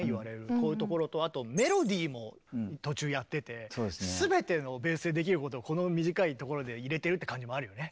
こういうところとあとメロディーも途中やってて全てのベースでできることをこの短いところで入れてるって感じもあるよね。